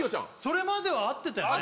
それまでは合ってたよね・